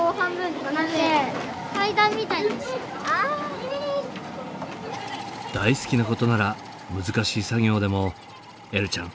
今ね大好きなことなら難しい作業でもえるちゃん